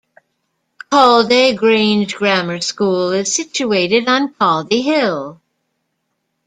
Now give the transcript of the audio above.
Calday Grange Grammar School is situated on Caldy Hill.